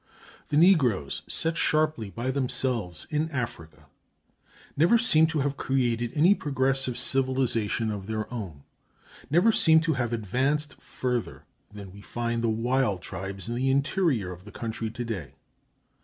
The negroes, set sharply by themselves in Africa, never seem to have created any progressive civilization of their own, never seem to have advanced further than we find the wild tribes in the interior of the country to day.